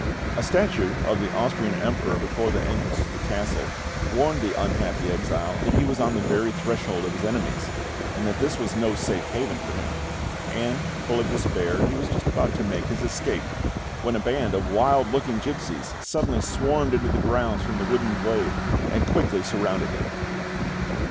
A statue of the Austrian emperor before the entrance to the castle warned the unhappy exile that he was on the very threshold of his enemies, and that this was no safe haven for him; and, full of despair, he was just about to make his escape, when a band of wild looking gipsies suddenly swarmed into the grounds from the woodland glade, and quickly surrounded him.